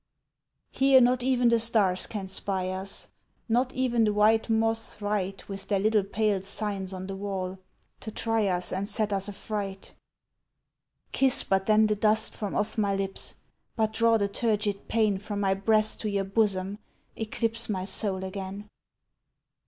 Here not even the stars can spy us, Not even the white moths write With their little pale signs on the wall, to try us And set us affright. Kiss but then the dust from off my lips, But draw the turgid pain From my breast to your bosom, eclipse My soul again.